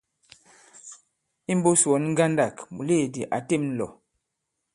Imbūs wɔ̌n ŋgandâk, mùleèdì a těm lɔ̀.